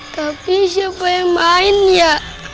tapi siapa yang main ya